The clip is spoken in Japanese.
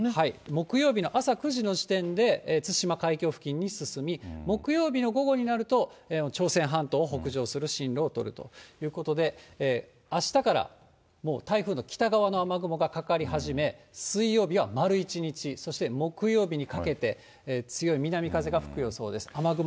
木曜日の朝９時の時点で、対馬海峡付近に進み、木曜日の午後になると、朝鮮半島を北上する進路を取るということで、あしたから、もう台風の北側の雨雲がかかり始め、水曜日は丸１日、そして木曜日にかけて強い南風が吹くもようです。